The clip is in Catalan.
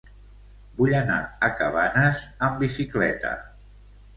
Vull anar a Cabanes amb bicicleta.